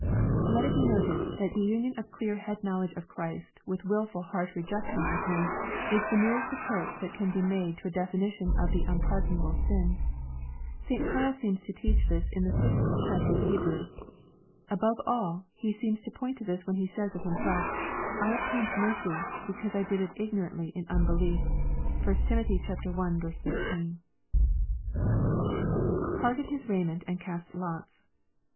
Let it be noted, that the union of clear head knowledge of Christ with wilful heart rejection of Him, is the nearest approach that can be made to a definition of the unpardonable sin. St. Paul seems to teach this in the sixth chapter of Hebrews. Above all, he seems to point to this when he says of himself, " I obtained mercy, because I did it ignorantly in unbelief." (1 Tim. i. 13.) [Parted his raiment and cast lots.'